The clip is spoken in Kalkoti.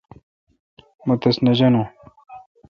مہ تس نہ جانو۔